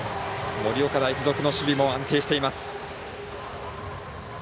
盛岡大付属の守備も安定しています。